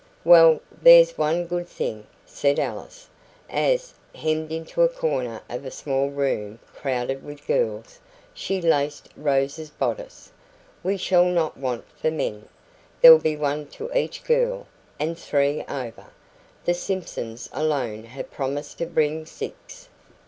"Well, there's one good thing," said Alice, as, hemmed into a corner of a small room crowded with girls, she laced Rose's bodice, "we shall not want for men. There'll be one to each girl, and three over. The Simpsons alone have promised to bring six."